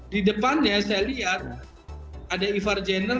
di depannya saya lihat ada ivar jenner